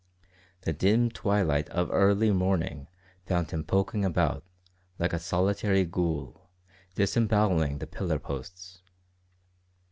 The dim twilight of early morning found him poking about, like a solitary ghoul, disembowelling the pillar posts.